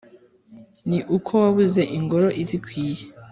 ni uko wabuze ingoro izikwiye?